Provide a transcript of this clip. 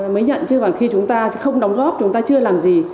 mới nhận chứ còn khi chúng ta không đóng góp chúng ta chưa làm gì